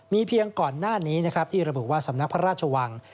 เพียงก่อนหน้านี้นะครับที่ระบุว่าสำนักพระราชวัง